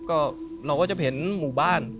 ก็เราก็จะเห็นหมู่บ้าน